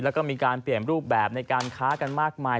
แล้วก็มีการเปลี่ยนรูปแบบในการค้ากันมากมาย